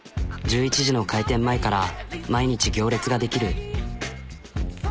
１１時の開店前から毎日行列ができる。